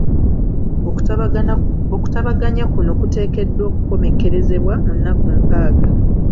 Okutabaganya kuno kuteekeddwa okukomekkerezebwa mu nnaku nkaaga.